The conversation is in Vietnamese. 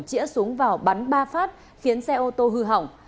chĩa súng vào bắn ba phát khiến xe ô tô hư hỏng